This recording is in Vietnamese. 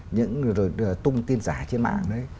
những rồi tung tin giả trên mạng đấy